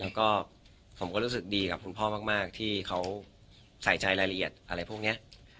แล้วก็ผมก็รู้สึกดีกับคุณพ่อมากที่เขาใส่ใจรายละเอียดอะไรพวกนี้